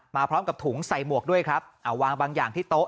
มาพร้อมกับถุงใส่หมวกด้วยครับเอาวางบางอย่างที่โต๊ะ